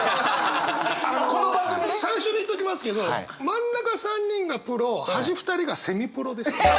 この番組ね最初に言っときますけど真ん中３人がプロ端２人がセミプロです。